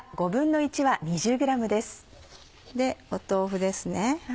豆腐ですね。